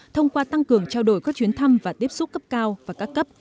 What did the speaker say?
thông qua tăng cường trao đổi các chuyến thăm và tiếp xúc cấp cao và các cấp